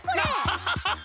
ガハハハ！